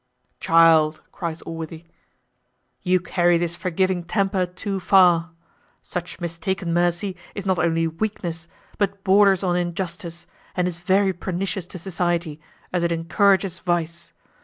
"Child," cries Allworthy, "you carry this forgiving temper too far. Such mistaken mercy is not only weakness, but borders on injustice, and is very pernicious to society, as it encourages vice.